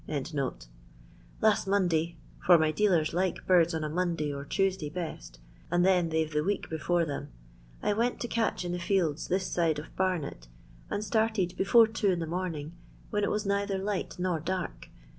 ]" Last Monday, for my dealers like birds on a Monday or Tuesday best, and then they 've the week before them, — I went to catch in the fields this side of Baruet, and started before two in the morning, when it was neither light nor dark.